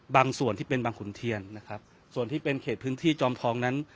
ส่วนที่เป็นบางขุนเทียนนะครับส่วนที่เป็นเขตพื้นที่จอมทองนั้น